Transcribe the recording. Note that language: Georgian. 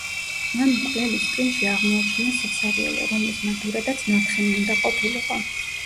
მან მკვლელის ტვინში აღმოაჩინა სიცარიელე, რომლის მაგივრადაც ნათხემი უნდა ყოფილიყო.